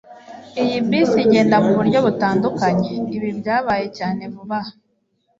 Iyi bisi igenda muburyo butandukanye. Ibi byabaye cyane vuba aha.